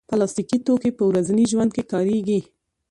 پلاستيکي توکي په ورځني ژوند کې کارېږي.